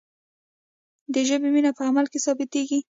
د ژبې مینه په عمل کې ثابتیږي.